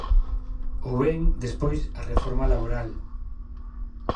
Ou ben, despois, a reforma laboral.